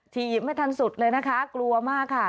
หยิบไม่ทันสุดเลยนะคะกลัวมากค่ะ